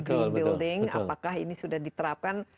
green building apakah ini sudah diterapkan